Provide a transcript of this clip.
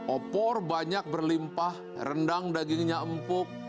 opor banyak berlimpah rendang dagingnya empuk